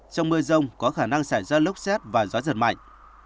trong mưa rông có khả năng xảy ra lốc xét và gió giật mạnh